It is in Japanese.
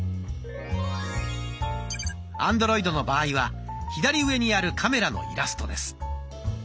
アンドロイドの場合は左上にあるカメラのイラストです。